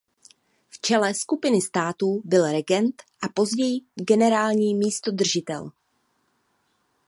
V čele skupiny států byl regent a později generální místodržitel.